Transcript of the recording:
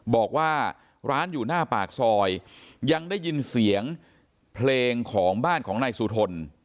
บอกว่าร้านอยู่หน้าปากซอยยังได้ยินเสียงเพลงของบ้านของนายสุทน